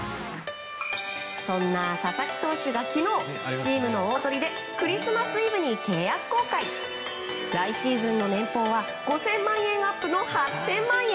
そんな佐々木投手が昨日チームの大トリでクリスマスイブに契約更改。来シーズンの年俸は５０００万円アップの８０００万円。